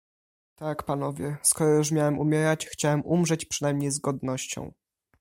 "Tak, panowie, skoro już miałem umierać, chciałem umrzeć przynajmniej z godnością."